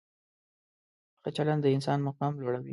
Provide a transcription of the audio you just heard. ښه چلند د انسان مقام لوړوي.